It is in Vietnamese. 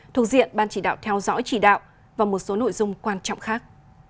thuộc diện ban chỉ đạo theo dõi chỉ đạo và một số nội dung quan trọng khác